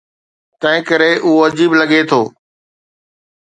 تنهنڪري اهو عجيب لڳي ٿو.